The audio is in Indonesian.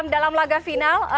dalam laga final